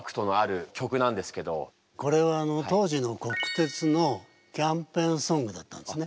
これは当時の国鉄のキャンペーンソングだったんですね。